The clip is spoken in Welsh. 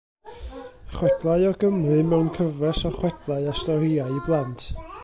Chwedlau o Gymru, mewn cyfres o chwedlau a storïau i blant.